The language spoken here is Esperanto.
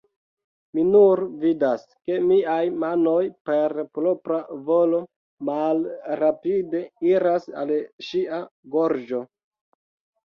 Mi nur vidas, ke miaj manoj, per propra volo, malrapide iras al ŝia gorĝo...